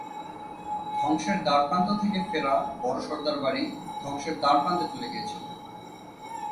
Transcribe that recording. ধ্বংসের দ্বারপ্রান্ত থেকে ফেরা বড় সর্দার বাড়ি ধ্বংসের দ্বারপ্রান্তে চলে গিয়েছিল।